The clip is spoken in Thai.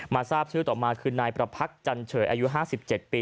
ทราบชื่อต่อมาคือนายประพักษันเฉยอายุ๕๗ปี